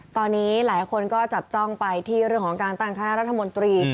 ตอนนี้หลายคนก็จับจ้องไปที่เรื่องของการตั้งคณะรัฐมนตรี